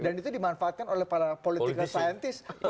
penguatkan oleh para politika saintis